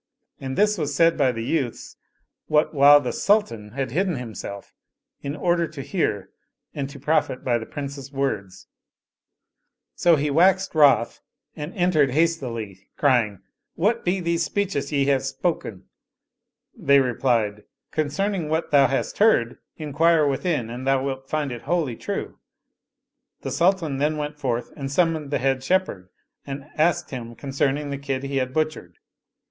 And this was said by the youths what while the sultan h£id hidden himself in order to hear and to profit by the Princes* words. So he waxed no The Sultan and his Three Sons wroth and entered hastily crying, " What be these speeches ye have spoken?" They replied, " Concerning what thou hast heard inquire within and thou wilt find it wholly true." The Sultan then went forth and summoned the head shep herd and asked him concerning the kid he had butchered.